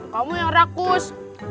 kamu yang rakus